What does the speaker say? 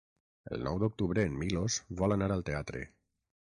El nou d'octubre en Milos vol anar al teatre.